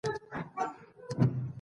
کمود هم دننه په کوټه کې پروت و.